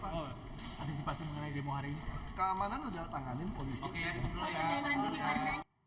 keamanan sudah tanganin polisi